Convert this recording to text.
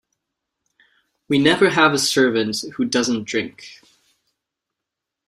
We never have a servant who doesn't drink.